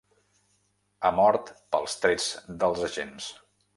Ha mort pels trets dels agents.